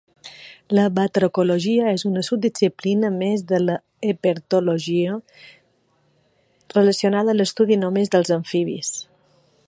La Batracologia és una subdisciplina més de l'herpetologia relacionada amb l'estudi només dels amfibis.